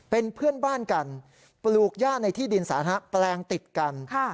เป็นเพื่อนบ้านกันปลูกย่าในที่ดินสาธารณะแปลงติดกัน